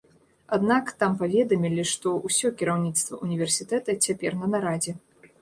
Аднак там паведамілі, што ўсё кіраўніцтва ўніверсітэта цяпер на нарадзе.